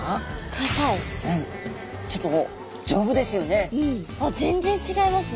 ちょっと丈夫ですよね。